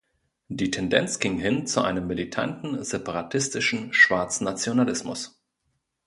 Die Tendenz ging hin zu einem militanten, separatistischen, schwarzen Nationalismus.